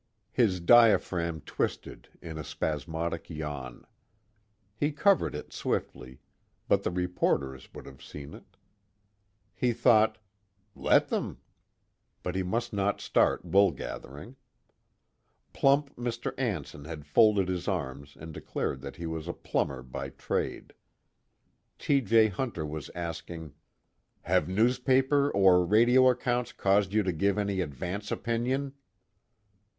_" His diaphragm twisted in a spasmodic yawn. He covered it swiftly, but the reporters would have seen it. He thought: Let them! But he must not start woolgathering. Plump Mr. Anson had folded his arms and declared that he was a plumber by trade. T. J. Hunter was asking: "Have newspaper or radio accounts caused you to give any advance opinion?"